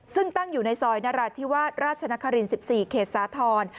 ซึ่งตั้งอยู่ในซอยนราธิวาสราชนคริน๑๔เขตสาธรณ์